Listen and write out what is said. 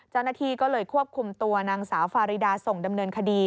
เจ้าหน้าที่ก็เลยควบคุมตัวนางสาวฟาริดาส่งดำเนินคดี